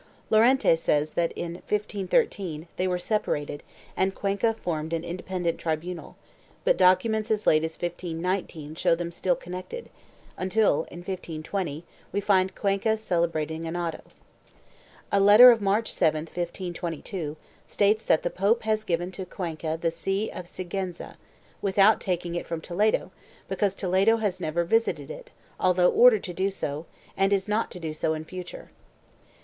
Llorente says that in 1513 they were separated and Cuenca formed an independent tribunal, but documents as late as 1519 show them still connected, until, in 1520, we find Cuenca celebrating an auto. A letter of March 7, 1522, states that the pope has given to Cuenca the see of Sigiienza, without taking it from Toledo, because Toledo has never visited it although ordered to do so, and is not to do so in future.